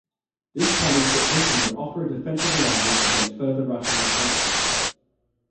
This promised that Britain would "offer a defensive alliance against further Russian encroachments".